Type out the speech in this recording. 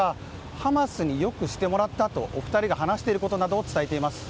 ハマスによくしてもらったとお二人が話していることなどを伝えています。